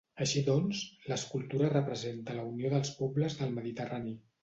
Així doncs, l’escultura representa la unió dels pobles del mediterrani.